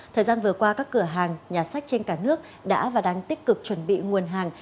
thời gian vừa qua các cửa hàng nhà sách trên cả nước đã và đang tích cực chuẩn bị nguồn hàng